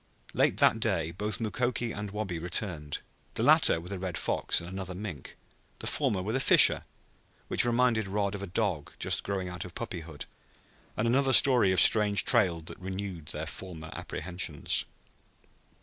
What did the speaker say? Late that day both Mukoki and Wabi returned, the latter with a red fox and another mink, the former with a fisher, which reminded Rod of a dog just growing out of puppyhood, and another story of strange trails that renewed their former apprehensions.